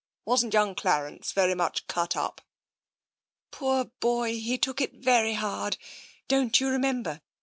Wasn't young Clarence very much cut up ?"" Poor boy ! He took it very hard. Don't you remember?